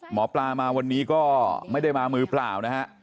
หมอปลามาวันนี้ก็ไม่ได้มามือเปล่านะฮะ